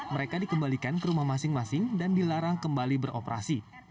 mereka dikembalikan ke rumah masing masing dan dilarang kembali beroperasi